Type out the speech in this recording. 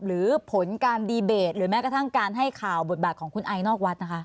หรือผลการดีเบตหรือแม้กระทั่งการให้ข่าวบทบาทของคุณไอนอกวัดนะคะ